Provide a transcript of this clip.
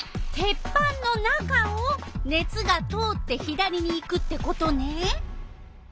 鉄板の中を熱が通って左に行くってことね。